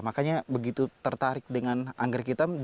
makanya begitu tertarik dengan anggrek hitam